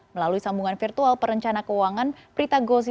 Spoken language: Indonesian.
melalui sambungan virtual perencana keuangan prita gozi